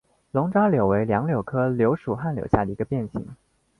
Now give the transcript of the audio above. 龙爪柳为杨柳科柳属旱柳下的一个变型。